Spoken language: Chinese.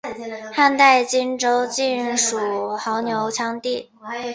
汉代今州境属牦牛羌地。